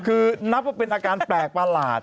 คือนับว่าเป็นอาการแปลกประหลาด